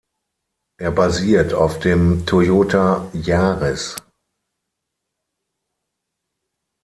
Er basiert auf dem Toyota Yaris.